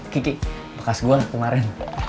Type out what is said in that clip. kiki bekas gue kemarin